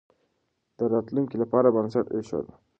ده د راتلونکي لپاره بنسټ ايښود.